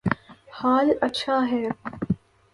حال اچھا ہے